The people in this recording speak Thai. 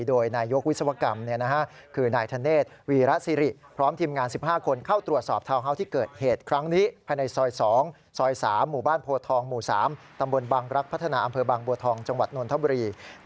โดยนายกวิศวกรรมคือนายธเนษฐ์วีระศิริ